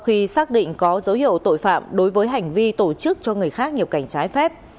khi xác định có dấu hiệu tội phạm đối với hành vi tổ chức cho người khác nhập cảnh trái phép